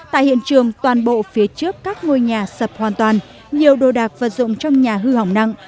tại hiện trường toàn bộ phía trước các ngôi nhà sập hoàn toàn nhiều đồ đạc vật dụng trong nhà hư hỏng nặng